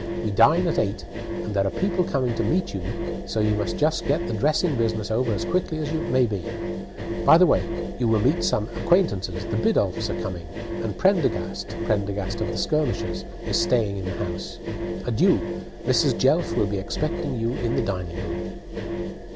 We dine at eight, and there are people coming to meet you, so you must just get the dressing business over as quickly as may be. By the way, you will meet some acquaintances; the Biddulphs are coming, and Prendergast (Prendergast of the Skirmishers) is staying in the house. Adieu! Mrs. Jelf will be expecting you in the drawing room."